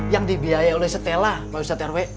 yang dibiayai oleh setelah pak ustadz rw